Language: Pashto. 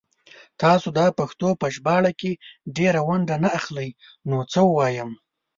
تاسو دا پښتو په ژباړه کې ډيره ونډه نه اخلئ نو څه ووايم